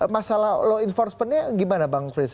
masalah law enforcement nya gimana bang prins